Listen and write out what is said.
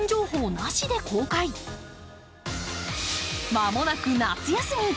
間もなく夏休み。